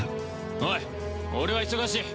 おい俺は忙しい。